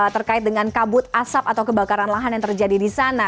terkait dengan kabut asap atau kebakaran lahan yang terjadi di sana